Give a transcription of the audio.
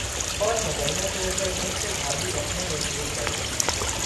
اور مبینہ طور پر ان سے بھاری رقمیں وصول کرنے